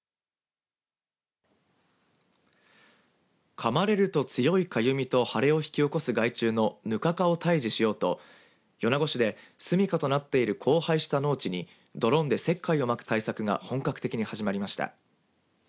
かまれると強いかゆみと腫れを引き起こす害虫のヌカカを退治しようと米子市で住みかとなっている荒廃した農地にドローンで石灰をまく対策が本格的に始まりました。